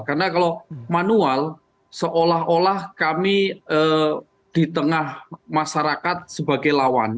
karena kalau manual seolah olah kami di tengah masyarakat sebagai lawan